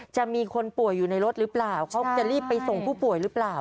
จะมีคนป่วยอยู่ในรถหรือเปล่าเขาจะรีบไปส่งผู้ป่วยหรือเปล่า